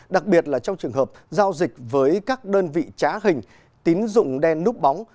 đặc biệt là trong trường hợp giao dịch với các đơn vị trá hình tín dụng đen núp bóng